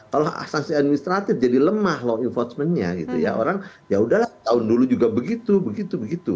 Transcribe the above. kalau sanksi administratif jadi lemah law enforcement nya orang yaudahlah tahun dulu juga begitu